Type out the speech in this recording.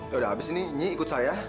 yaudah habis ini nyi ikut saya